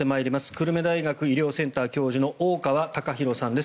久留米大学医療センター教授の大川孝浩さんです。